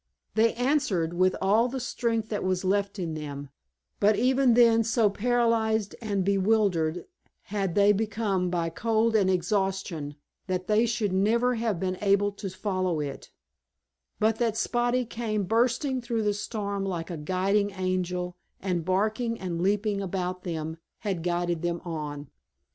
They answered, with all the strength that was left in them, but even then so paralyzed and bewildered had they become by cold and exhaustion that they should never have been able to follow it, but that Spotty came bursting through the storm like a guiding angel and barking and leaping about them had guided them on.